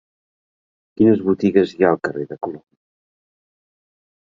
Quines botigues hi ha al carrer de Colom?